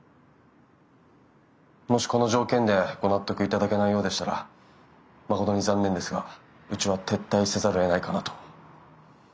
もしこの条件でご納得いただけないようでしたら誠に残念ですがうちは撤退せざるをえないかなと。